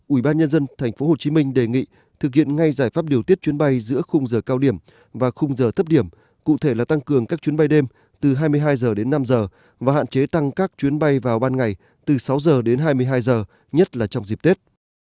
ủy ban nhân dân tp hcm đề nghị thực hiện ngay giải pháp điều tiết chuyến bay giữa khung giờ cao điểm và khung giờ thấp điểm cụ thể là tăng cường các chuyến bay đêm từ hai mươi hai h đến năm giờ và hạn chế tăng các chuyến bay vào ban ngày từ sáu h đến hai mươi hai giờ nhất là trong dịp tết